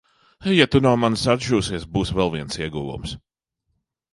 Ja tu no manis atšūsies, būs vēl viens ieguvums.